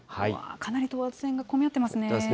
かなり等圧線が混み合っていますね。